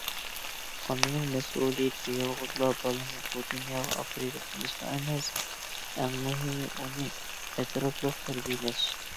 ئانىنىڭ مەسئۇلىيىتى يالغۇزلا بالىنى بۇ دۇنياغا ئاپىرىدە قىلىشلا ئەمەس، ئەڭ مۇھىمى ئۇنى ئەتراپلىق تەربىيەلەش.